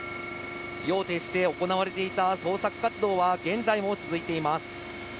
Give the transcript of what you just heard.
夜を徹して行われていた捜索活動は現在も続いています。